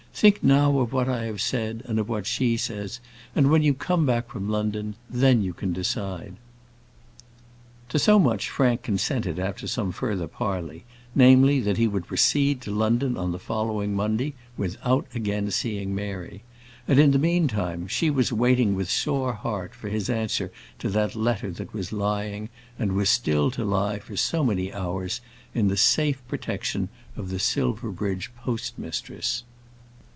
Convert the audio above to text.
Think now of what I have said, and of what she says, and when you come back from London, then you can decide." To so much Frank consented after some further parley; namely, that he would proceed to London on the following Monday morning without again seeing Mary. And in the meantime, she was waiting with sore heart for his answer to that letter that was lying, and was still to lie for so many hours, in the safe protection of the Silverbridge postmistress.